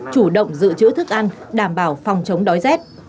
chủ động giữ chữ thức ăn đảm bảo phòng chống đói rét